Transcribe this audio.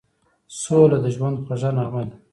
سوله د ژوند خوږه نغمه ده.